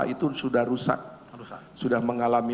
itu sudah rusak sudah mengalami